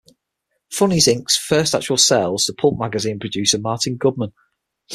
Funnies, Inc.'s first actual sale was to pulp magazine publisher Martin Goodman.